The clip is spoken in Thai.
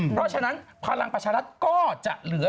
เพราะฉะนั้นพลังประชารัฐก็จะเหลือ